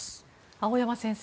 青山先生